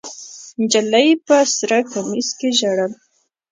نجلۍ په سره کمیس کې ژړل.